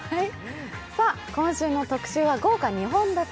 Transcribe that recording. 今週の特集は豪華２本立て。